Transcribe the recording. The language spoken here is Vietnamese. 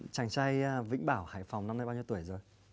chàng trai vĩnh bảo hải phòng năm nay bao nhiêu tuổi rồi